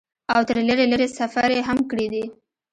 او تر لرې لرې سفرې هم کړي دي ۔